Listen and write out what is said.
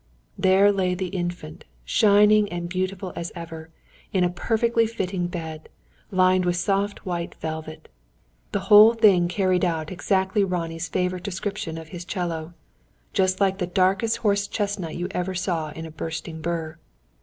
There lay the Infant, shining and beautiful as ever, in a perfectly fitting bed, lined with soft white velvet. The whole thing carried out exactly Ronnie's favourite description of his 'cello: "just like the darkest horse chestnut you ever saw in a bursting bur."